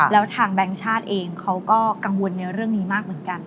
แล้วทางแบงค์ชาติเองเขาก็กังวลในเรื่องนี้มากเหมือนกัน